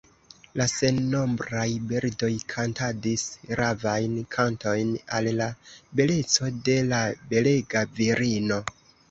La sennombraj birdoj kantadis ravajn kantojn al la beleco de la belega virino.